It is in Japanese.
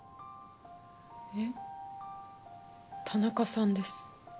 えっ田中さんです。